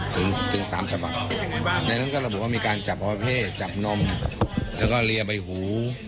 ถึงถึงสามสมัครในนั้นก็เราก็บอกว่ามีการจับออเภทจับนมแล้วก็เรียบใบหู